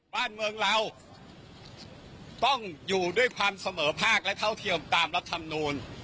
บ้านเมืองเราต้องอยู่ด้วยความเสมอภาคและเท่าเทียมตามรัฐธรรมนูล